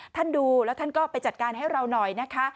ดูแล้วท่านก็ไปจัดการให้เราหน่อยนะคะ